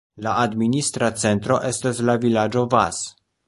La administra centro estas la vilaĝo Vas.